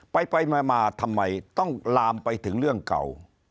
ไปมาทำไมต้องลามไปถึงเรื่องเก่า